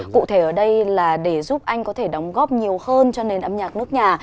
cụ thể ở đây là để giúp anh có thể đóng góp nhiều hơn cho nền âm nhạc nước nhà